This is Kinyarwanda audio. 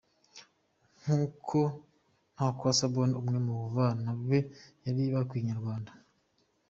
Nk'uko Ntakwasa Bonne umwe mu bana be yari yabwiye Inyarwanda.